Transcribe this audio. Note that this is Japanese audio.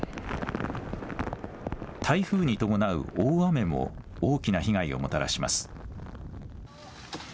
台風に伴う大雨も大きな被害をもたらします。